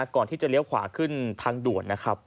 ก่อนที่จะเลี้ยวขวาขึ้นทางด่วนนะครับ